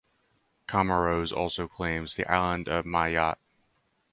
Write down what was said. Comoros also claims the island of Mayotte.